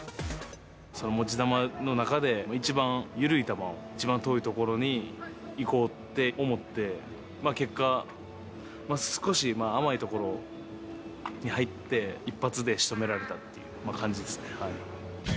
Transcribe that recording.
持ち球の中で一番緩い球を一番遠い所にいこうって思って、結果、少し甘い所に入って、一発でしとめられたっていう感じですね。